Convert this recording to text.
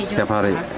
setiap hari di sini